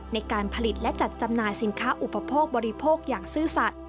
ในการผลิตและจัดจำหน่ายสินค้าอุปโภคบริโภคอย่างซื่อสัตว์